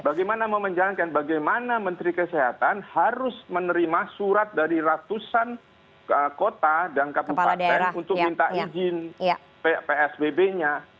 bagaimana mau menjalankan bagaimana menteri kesehatan harus menerima surat dari ratusan kota dan kabupaten untuk minta izin psbb nya